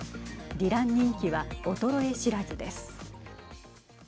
ディラン人気は衰え知らずです。